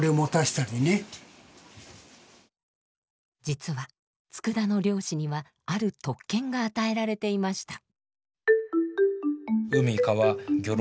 実は佃の漁師にはある特権が与えられていました。